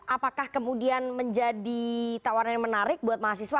apakah kemudian menjadi tawaran yang menarik buat mahasiswa